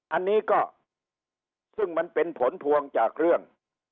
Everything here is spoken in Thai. อันนี้ก็ซึ่งมันเป็นผลพวงจากเรื่อง